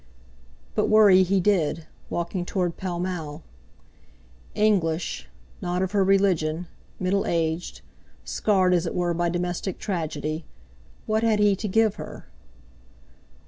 But worry he did, walking toward Pall Mall. English, not of her religion, middle aged, scarred as it were by domestic tragedy, what had he to give her?